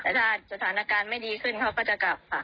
แต่ถ้าสถานการณ์ไม่ดีขึ้นเขาก็จะกลับค่ะ